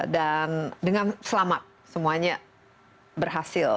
dan dengan selamat semuanya berhasil